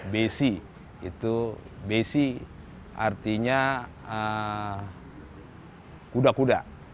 bc itu besi artinya kuda kuda